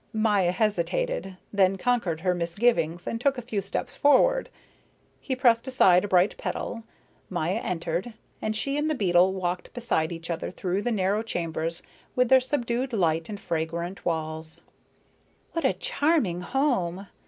Maya hesitated, then conquered her misgivings and took a few steps forward. He pressed aside a bright petal, Maya entered, and she and the beetle walked beside each other through the narrow chambers with their subdued light and fragrant walls. "What a charming home!"